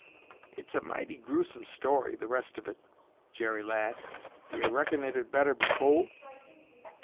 "It's a mighty gruesome story, the rest o' it, Jerry lad. Do you reckon it'd better be tol'?"